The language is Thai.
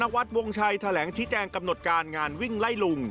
นายธนวัฒน์วงชัยแถลงชิกแจงกำโหนดการงานวิ่งไล่ลุง